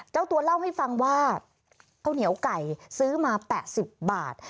เจ้าตัวเล่าให้ฟังว่าข้าวเหนียวไก่ซื้อมา๘๐บาท